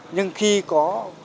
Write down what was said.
nhưng khi có